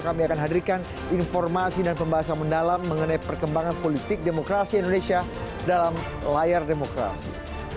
kami akan hadirkan informasi dan pembahasan mendalam mengenai perkembangan politik demokrasi indonesia dalam layar demokrasi